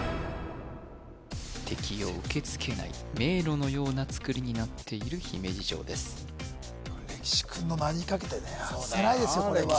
敵を受けつけない迷路のようなつくりになっている姫路城ですそうだよ